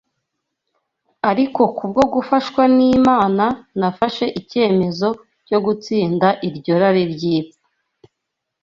Ariko kubwo gufashwa n’Imana nafashe icyemezo cyo gutsinda iryo rari ry’ipfa